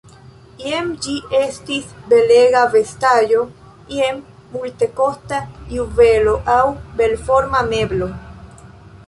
Jen ĝi estis belega vestaĵo, jen multekosta juvelo aŭ belforma meblo.